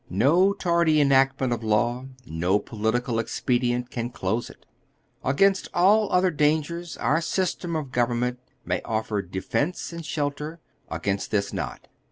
No tardy enactment of law, no political expedient, can close it. Against all other dangei's our system of gov ernment may offer defence and shelter; against this not.